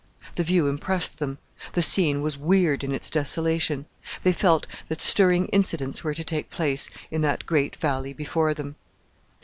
The view impressed them the scene was weird in its desolation; they felt that stirring incidents were to take place in that great valley before them.